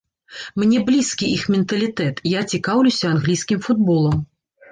Мне блізкі іх менталітэт, я цікаўлюся англійскім футболам.